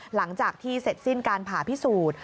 หลังจากที่เสร็จสิ้นการผ่าพิสูจน์